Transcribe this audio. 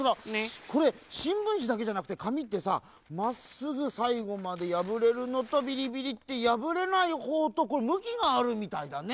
これしんぶんしだけじゃなくてかみってさまっすぐさいごまでやぶれるのとビリビリッてやぶれないほうとこれむきがあるみたいだね。